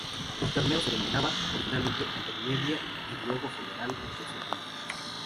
El torneo se denominaba originalmente Intermedia, y luego Federal de Segunda.